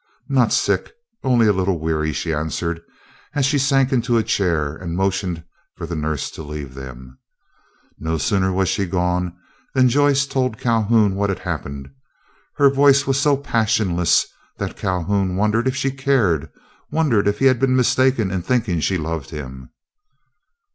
"Not sick, only a little weary," she answered, as she sank into a chair and motioned for the nurse to leave them. No sooner was she gone than Joyce told Calhoun what had happened. Her voice was so passionless that Calhoun wondered if she cared, wondered if he had been mistaken in thinking she loved him.